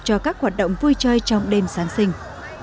cho các hoạt động vui chơi trong đêm giáng sinh